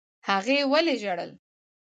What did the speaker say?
هغې ولي ژړل؟